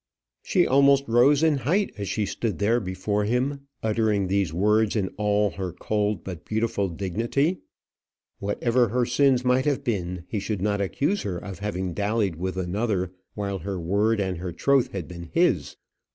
She almost rose in height as she stood there before him, uttering these words in all her cold but beautiful dignity. Whatever her sins might have been, he should not accuse her of having dallied with another while her word and her troth had been his.